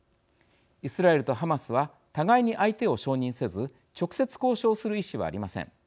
イスラエルとハマスは互いに相手を承認せず直接交渉する意思はありません。